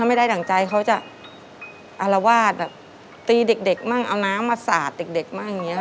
ไม่ได้ดั่งใจเขาจะอารวาสแบบตีเด็กมั่งเอาน้ำมาสาดเด็กมั่งอย่างนี้ค่ะ